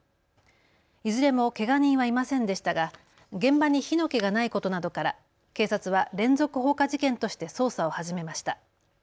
いずれもけが人はいませんでしたが現場に火の気がないことなどから警察は連続放火事件として捜査を始めました。